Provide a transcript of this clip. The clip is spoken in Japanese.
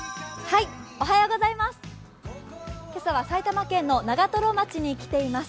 今朝は埼玉県の長瀞町に来ています。